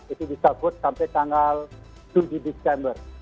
itu bisa good sampai tanggal tujuh desember